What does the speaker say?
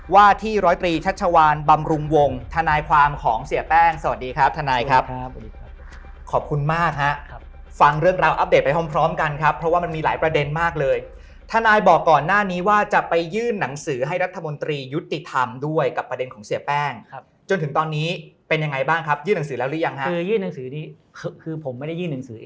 ว่าที่ร้อยตรีชัชวานบำรุงวงทนายความของเสียแป้งสวัสดีครับทนายครับขอบคุณมากฮะฟังเรื่องราวอัปเดตไปพร้อมพร้อมกันครับเพราะว่ามันมีหลายประเด็นมากเลยทนายบอกก่อนหน้านี้ว่าจะไปยื่นหนังสือให้รัฐมนตรียุติธรรมด้วยกับประเด็นของเสียแป้งครับจนถึงตอนนี้เป็นยังไงบ้างครับยื่นหนังสือแล้วหรือยังฮะคือยื่นหนังสือนี้คือผมไม่ได้ยื่นหนังสือ